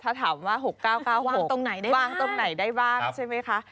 ถ้าถามว่า๖๙๙๖วางตรงไหนได้บ้างใช่ไหมคะ